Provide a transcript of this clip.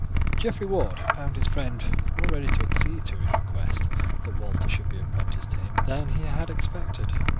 Geoffrey Ward found his friend more ready to accede to his request, that Walter should be apprenticed to him, than he had expected.